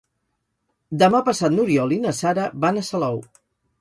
Demà passat n'Oriol i na Sara van a Salou.